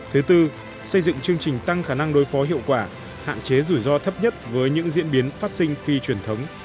thứ tư xây dựng chương trình tăng khả năng đối phó hiệu quả hạn chế rủi ro thấp nhất với những diễn biến phát sinh phi truyền thống